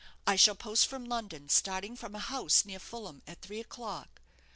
I shall post from London, starting from a house near Fulham, at three o'clock.